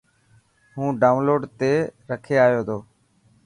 هون ڊائون لوڊ تي رکي آيو تو.